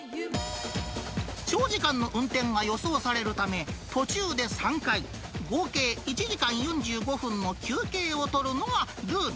長時間の運転が予想されるため、途中で３回、合計１時間４５分の休憩を取るのがルール。